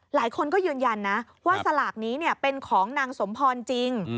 หลายคนก็ยืนยันนะว่าสลากนี้เป็นของนางสมพรจริง